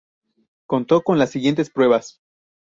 Contó con las siguientes pruebas.